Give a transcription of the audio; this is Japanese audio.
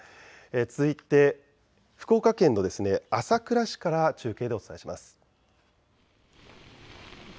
続いて福岡県の朝倉市から中継でお伝えします。